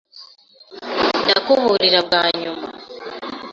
Ndakuburira bwa nyuma.